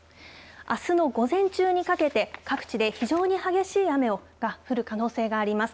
あすの午前中にかけて各地で非常に激しい雨が降る可能性があります。